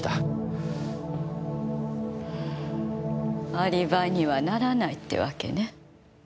アリバイにはならないってわけね。